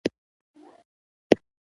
پوخ چوکۍ ثبات لري